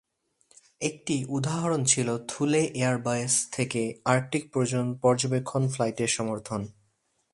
একটি উদাহরণ ছিল থুলে এয়ার বেস থেকে আর্কটিক পর্যবেক্ষণ ফ্লাইটের সমর্থন।